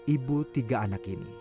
ibu tiga anak ini